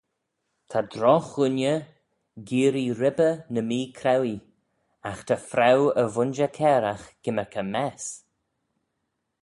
Ta drogh-ghooinney geearree ribbey ny mee-chrauee: agh ta fraue y vooinjer cairagh gymmyrkey mess.